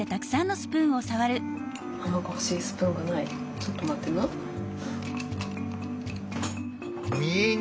ちょっと待ってな。